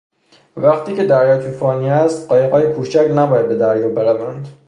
وقتی که دریا توفانی است قایقهای کوچک نباید به دریا بروند.